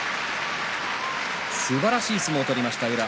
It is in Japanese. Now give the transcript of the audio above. すばらしい相撲を取りました宇良。